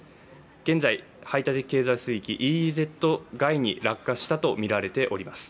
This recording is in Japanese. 現在、ＥＥＺ＝排他的経済水域外に落下したとみられています。